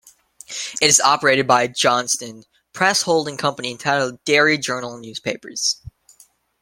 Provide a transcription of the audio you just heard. It is operated by a Johnston Press holding company entitled Derry Journal Newspapers.